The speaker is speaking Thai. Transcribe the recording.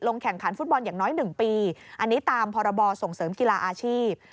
แข่งขันฟุตบอลอย่างน้อย๑ปีอันนี้ตามพรบส่งเสริมกีฬาอาชีพ